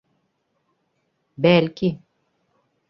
Бәлки.